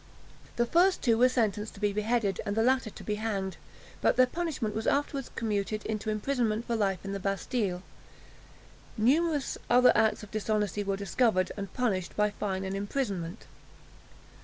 The first two were sentenced to be beheaded, and the latter to be hanged; but their punishment was afterwards commuted into imprisonment for life in the Bastille. Numerous other acts of dishonesty were discovered, and punished, by fine and imprisonment.